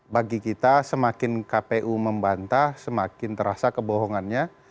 bagi kita semakin kpu membantah semakin terasa kebohongannya